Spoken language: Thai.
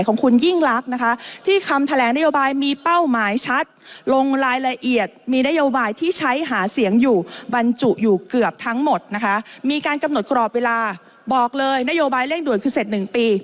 ข้อกาทบาทถูกต้องให้มากจากการที่ประชุมใน๔ปี